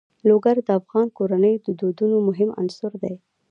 لوگر د افغان کورنیو د دودونو مهم عنصر دی.